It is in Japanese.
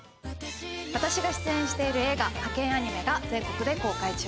私が出演している映画『ハケンアニメ！』が全国で公開中です。